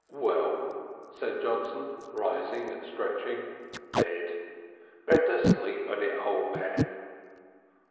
"Well," said Johnson, rising and stretching. "Bed! Better sleep on it, O' Man."